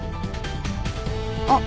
あっ！